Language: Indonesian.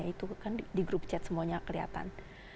itu kan di grup chat semuanya kelihatan